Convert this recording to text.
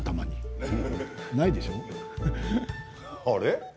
あれ？